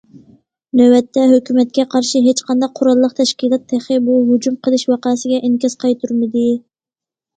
نۆۋەتتە، ھۆكۈمەتكە قارشى ھېچقانداق قوراللىق تەشكىلات تېخى بۇ ھۇجۇم قىلىش ۋەقەسىگە ئىنكاس قايتۇرمىدى.